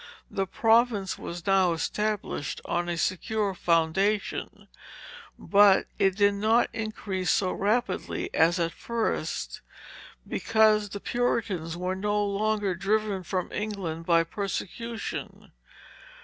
The province was now established on a secure foundation; but it did not increase so rapidly as at first, because the Puritans were no longer driven from England by persecution.